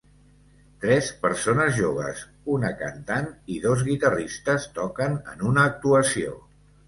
Tres persones joves, una cantant i dos guitarristes, toquen en una actuació.